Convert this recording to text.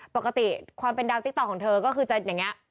ปกติความเป็นดาวติ๊กต๊อของเธอก็คือจะอย่างนี้